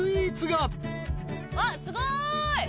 あっすごい！